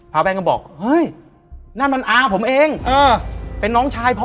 พระแว่นก็บอกเฮ้ยนั่นมันอาผมเองเป็นน้องชายพ่อ